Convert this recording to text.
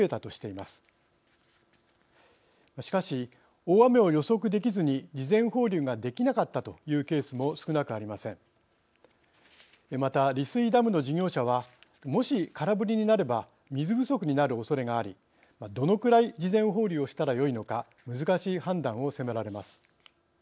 また利水ダムの事業者はもし空振りになれば水不足になるおそれがありどのくらい事前放流をしたらよいのか難しい判断を迫られます。